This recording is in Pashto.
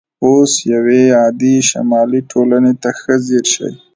اوس یوې عادي شمالي ټولنې ته ښه ځیر شئ